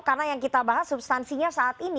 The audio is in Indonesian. karena yang kita bahas substansinya saat ini